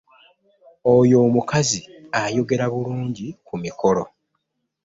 Oyo omukazi ayogera bulungi ku mikolo.